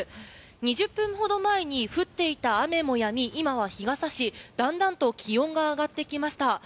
２０分ほど前に降っていた雨もやみ今は日が差し、だんだんと気温が上がってきました。